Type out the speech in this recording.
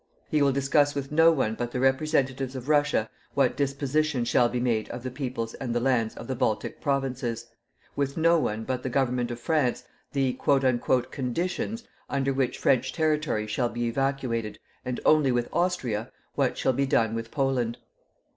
He will discuss with no one but the representatives of Russia what disposition shall be made of the peoples and the lands of the Baltic provinces; with no one but the Government of France the "conditions" under which French territory shall be evacuated and only with Austria what shall be done with Poland.